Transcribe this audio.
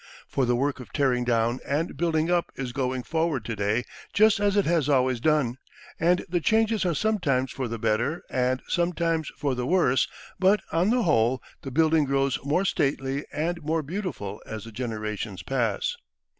For the work of tearing down and building up is going forward to day just as it has always done; and the changes are sometimes for the better and sometimes for the worse; but, on the whole, the building grows more stately and more beautiful as the generations pass.